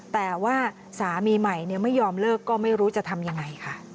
แต่ว่าสามีใหม่ไม่ยอมเลิกก็ไม่รู้จะทำยังไงค่ะ